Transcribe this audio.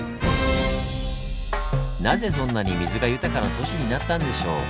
なぜそんなに水が豊かな都市になったんでしょう？